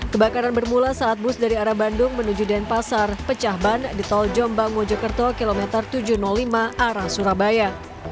kebakaran bermula saat bus dari arah bandung menuju denpasar pecah ban di tol jombang mojokerto kilometer tujuh ratus lima arah surabaya